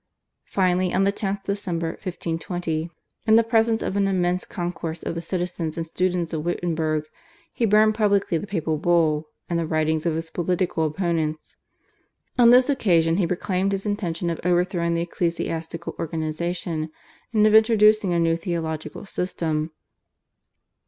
Finally, on the 10th December, 1520, in the presence of an immense concourse of the citizens and students of Wittenberg, he burned publicly the papal Bull and the writings of his political opponents. On this occasion he proclaimed his intention of overthrowing the ecclesiastical organisation, and of introducing a new theological system.